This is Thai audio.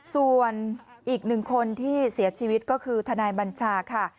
ส่วนอีกหนึ่งคนที่เสียชีวิตก็คือทนายบัญชาค่ะ